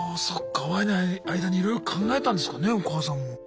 そっか会えない間にいろいろ考えたんですかねお母さんも。